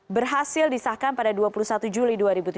berhasil disahkan pada dua puluh satu juli dua ribu tujuh belas